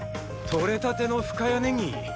採れたての深谷ねぎ！